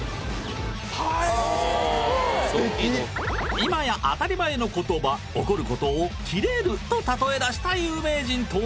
今や当たり前の言葉怒ることを「キレる」とたとえだした有名人とは？